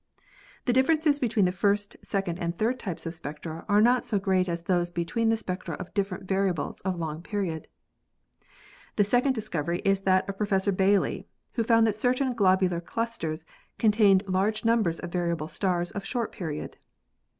The differ ences between the first, second and third types of spectra are not so great as those between the spectra of different variables of long period. The second discovery is that of Professor Bailey, who found that certain globular clusters contain large numbers of variable stars of short period.